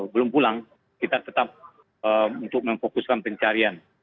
belum pulang kita tetap untuk memfokuskan pencarian